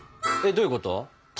どういうこと？